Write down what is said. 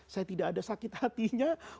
saya tidak ada sakit hatinya